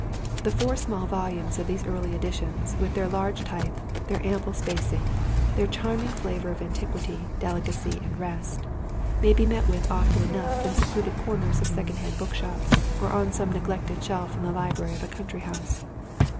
The four small volumes of these early editions, with their large type, their ample spacing, their charming flavour of antiquity, delicacy, and rest—may be met with often enough in secluded corners of secondhand bookshops, or on some neglected shelf in the library of a country house.